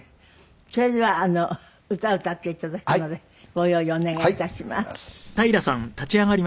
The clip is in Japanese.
それでは歌歌って頂くのでご用意お願い致します。